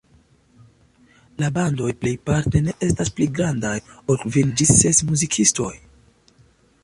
La bandoj plejparte ne estas pli grandaj ol kvin ĝis ses muzikistoj.